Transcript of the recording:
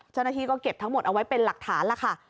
เจ้าหน้าที่ก็เก็บทั้งหมดเอาไว้เป็นหลักฐานล่ะค่ะ